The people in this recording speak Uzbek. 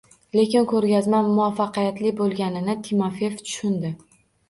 Lekin koʻrgazma muvaffaqiyatli boʻlganini Timofeev tushundi.